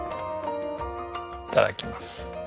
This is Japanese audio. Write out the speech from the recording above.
いただきます。